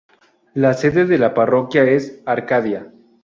La sede de la parroquia es Arcadia.